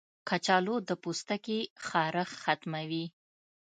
کچالو د پوستکي خارښ ختموي.